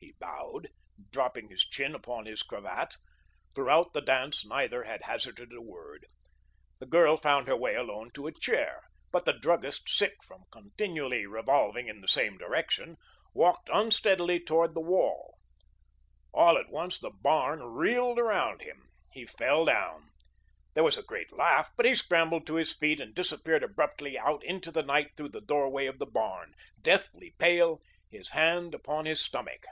He bowed, dropping his chin upon his cravat; throughout the dance neither had hazarded a word. The girl found her way alone to a chair, but the druggist, sick from continually revolving in the same direction, walked unsteadily toward the wall. All at once the barn reeled around him; he fell down. There was a great laugh, but he scrambled to his feet and disappeared abruptly out into the night through the doorway of the barn, deathly pale, his hand upon his stomach.